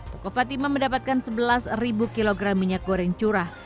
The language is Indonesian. toko fatima mendapatkan sebelas kg minyak goreng curah